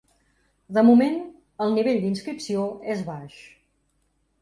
De moment, el nivell d’inscripció és baix.